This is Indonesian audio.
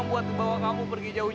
sekarang pulang yuk tini yuk